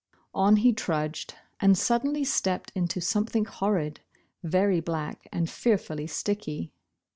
On he trudged and suddenly stepped into something horrid, ver}* black and fearfully sticky.